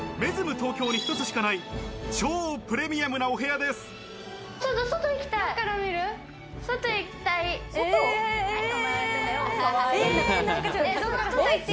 東京に一つしかない、超プレミアムなお部屋です。